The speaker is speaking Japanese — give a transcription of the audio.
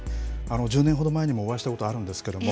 １０年ほど前にもお会いしたことがあるんですけれども。